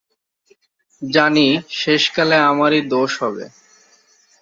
জানি শেষকালে আমারই দোষ হবে।